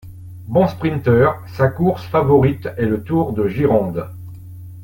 Bon sprinteur, sa course favorite est le Tour de Gironde.